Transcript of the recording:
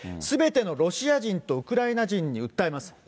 すべてのロシア人とウクライナ人に訴えます。